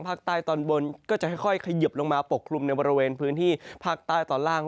ภาคใต้ตอนบนก็จะค่อยเขยิบลงมาปกคลุมในบริเวณพื้นที่ภาคใต้ตอนล่าง